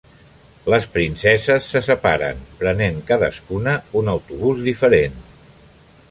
Les princeses se separen, prenent cadascuna un autobús diferent.